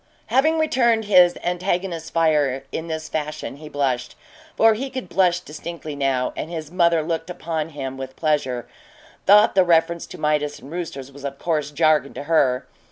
Having returned his antagonists's fire in this fashion, he blushed for he could blush distinctly now and his mother looked upon him with pleasure, though the reference to Midas and roosters was of course jargon to her.